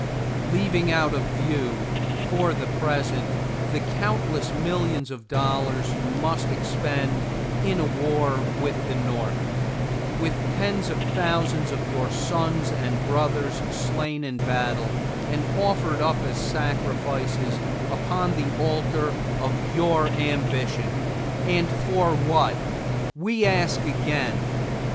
Leaving out of view, for the present, the countless millions of dollars you must expend in a war with the North; with tens of thousands of your sons and brothers slain in battle, and offered up as sacrifices upon the altar of your ambition and for what, we ask again?